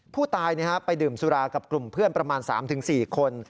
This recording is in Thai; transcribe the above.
ผู้ตายไปดื่มสุรากับกลุ่มเพื่อนประมาณ๓๔คน